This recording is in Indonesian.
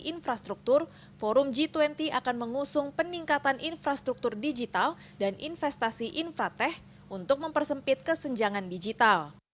infrastruktur forum g dua puluh akan mengusung peningkatan infrastruktur digital dan investasi infrateh untuk mempersempit kesenjangan digital